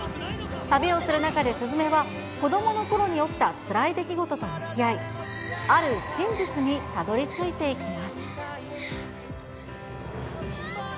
旅をする中で鈴芽は、子どものころに起きたつらい出来事と向き合い、ある真実にたどりついていきます。